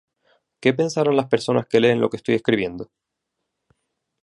¿qué pensarán las personas que leen lo que estoy escribiendo?